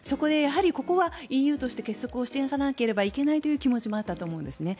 ここはＥＵとして結束していかなければいけないという気持ちもあったと思うんですね。